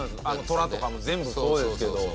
トラとかも全部そうですけど。